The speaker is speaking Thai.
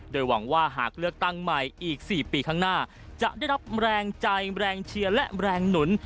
โดยหวังว่าหากเลือกตั้งใหม่อีก๔ปีข้างหน้าจะได้รับแรงใจแรงเชียร์และแรงหนุน